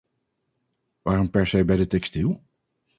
Waarom per se bij de textiel?